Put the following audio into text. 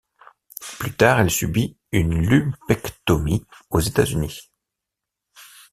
Plus tard, elle subit une lumpectomie aux États-Unis.